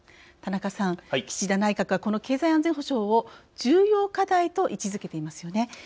田中さん、岸田内閣はこの経済安全保障を重要課題と位置づけていますよね。